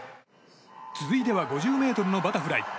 続いては５０ｍのバタフライ。